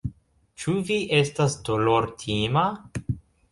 Ĉu vi estas dolortima?